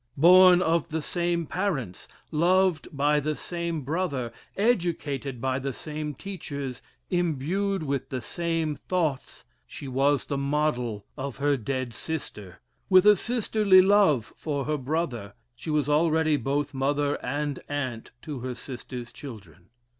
Born of the same parents, loved by the same brother, educated by the same teachers, imbued with the same thoughts, she was the model of her dead sister; with a sisterly love for her brother, she was already both mother and aunt to her sister's children.